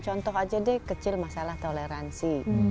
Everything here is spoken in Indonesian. contoh aja deh kecil masalah toleransi